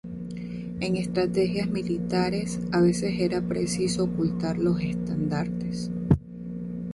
En estrategias militares a veces era preciso ocultar los estandartes.